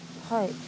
はい。